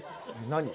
何？